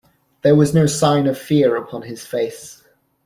There was no sign of fear upon his face.